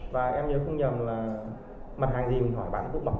và em nếu không nhầm là mặt hàng gì mình hỏi bạn ấy cũng bảo có